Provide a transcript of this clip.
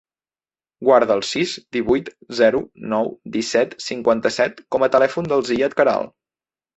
Guarda el sis, divuit, zero, nou, disset, cinquanta-set com a telèfon del Ziyad Queralt.